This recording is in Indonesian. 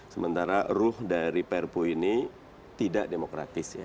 sementara ruh dari perpu ini tidak demokratis ya